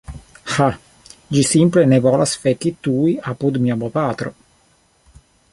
Ha, ĝi simple ne volas feki tuj apud mia bopatro